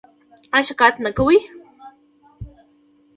ایا شکایت نه کوئ؟